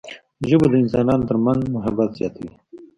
ژبه د انسانانو ترمنځ محبت زیاتوي